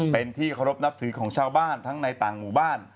เป็นที่เคารพนับถือของชาวบ้านทั้งในต่างหมู่บ้าน